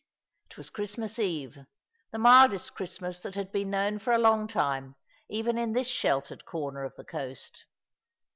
It was Christmas Eve — the mildest Christmas that had been known for a long time, even in this sheltered corner of the coast.